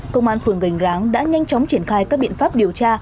công an phường gành ráng đã nhanh chóng triển khai các biện pháp điều tra